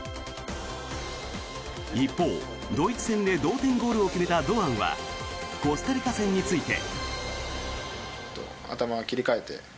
一方、ドイツ戦で同点ゴールを決めた堂安はコスタリカ戦について。